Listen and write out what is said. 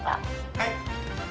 はい。